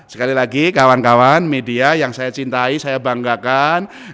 sekali lagi kawan kawan media yang saya cintai saya banggakan